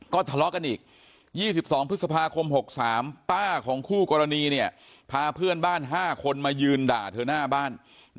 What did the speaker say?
ก็ทะเลาะกันอีก๒๒พฤษภาคม๖๓ป้าของคู่กรณีพาเพื่อนบ้าน๕คนมายืนด่าเธอหน้าบ้าน